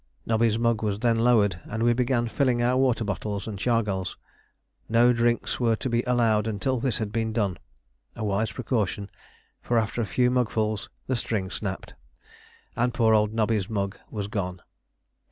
Nobby's mug was then lowered, and we began filling our water bottles and chargals. No drinks were to be allowed until this had been done a wise precaution, for after a few mugfuls the string snapped, and poor old Nobby's mug was gone.